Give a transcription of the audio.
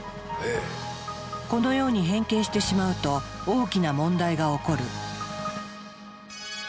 このように変形してしまうと大きな問題が起こる。